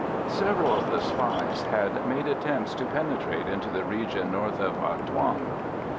] Several of the spies had made attempts to penetrate into the region north of Ha Thuong.